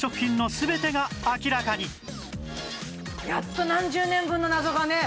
やっと何十年分の謎がね。